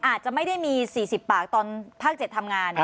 อาจจะไม่ได้มี๔๐ปากตอนภาค๗ทำงาน